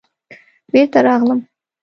بېرته راغلم.